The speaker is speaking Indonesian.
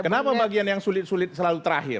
kenapa bagian yang sulit sulit selalu terakhir